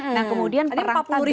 nah kemudian perang tagarnya